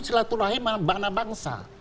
selatu lahir mana bangsa